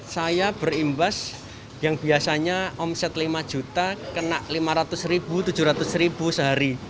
saya berimbas yang biasanya omset rp lima kena rp lima ratus rp tujuh ratus sehari